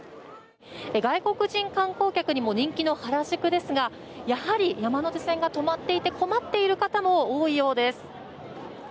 外国人観光客にも人気の原宿ですがやはり山手線が止まっていて困っている方も多いようです。